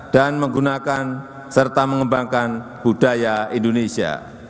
dan menggunakan serta mengembangkan budaya indonesia